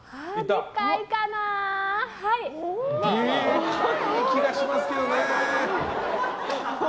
でかい気がしますけどね。